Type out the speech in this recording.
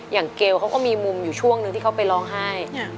เกลเขาก็มีมุมอยู่ช่วงนึงที่เขาไปร้องไห้